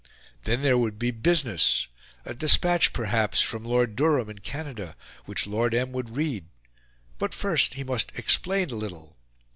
Then there would be business a despatch perhaps from Lord Durham in Canada, which Lord M. would read. But first he must explain a little.